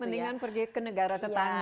mendingan pergi ke negara tetangga